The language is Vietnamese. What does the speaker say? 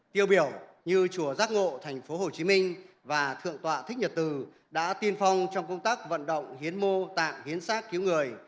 tiêu biểu như chùa giác ngộ tp hcm và thượng tọa thích nhật từ đã tiên phong trong công tác vận động hiến mô tạng hiến sát cứu người